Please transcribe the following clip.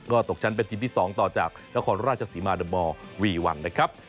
ก็ตกชั้นเป็นทีมที่๒ต่อจากนครราชสีมาเดอร์มอร์วีวันนะครับ